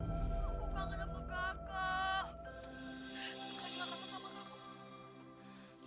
kamu tahu kan tadi si husin itu pergi ke mamit sama tante